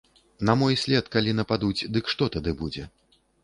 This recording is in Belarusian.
На мой след калі нападуць, дык што тады будзе?